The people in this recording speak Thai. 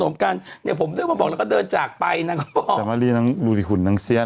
มันนี่แบบปุ่งอิ่งแหลงอยู่แล้ว